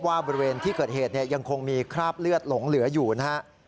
บริเวณที่เกิดเหตุยังคงมีคราบเลือดหลงเหลืออยู่นะฮะ